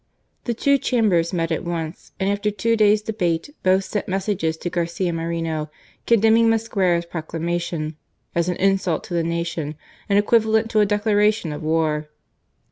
The two Chambers met at once, and after two days debate, both sent messages to Garpia Moreno, con demning Mosquera's proclamation " as an insult to the nation and equivalent to a declaration of war."